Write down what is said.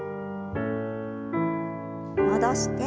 戻して。